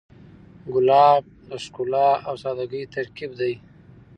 ګلاب د ښکلا او سادګۍ ترکیب دی.